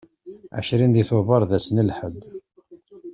Ɛecrin di tubeṛ d ass n lḥedd.